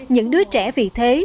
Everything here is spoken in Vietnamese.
những đứa trẻ vì thế